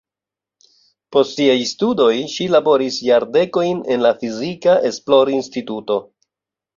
Post siaj studoj ŝi laboris jardekojn en la fizika esplorinstituto.